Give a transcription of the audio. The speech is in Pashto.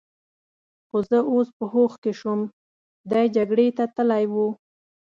خو زه اوس په هوښ کې شوم، دی جګړې ته تلی و.